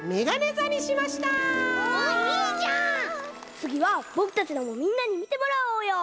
つぎはぼくたちのもみんなにみてもらおうよ！